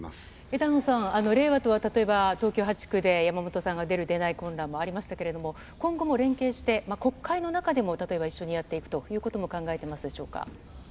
枝野さん、れいわとは例えば、東京８区で山本さんが出る、出ない混乱がありましたけれども、今後も連携して、国会の中でも、例えば一緒にやっていくということも考えてますでしょうか。